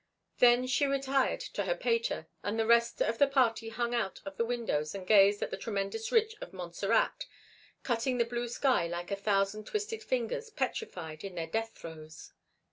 Then she retired to her Pater, and the rest of the party hung out of the windows and gazed at the tremendous ridge of Montserrat cutting the blue sky like a thousand twisted fingers petrified in their death throes.